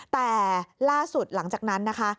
แต่ล่าสุดหลังจากนั้นนะคะ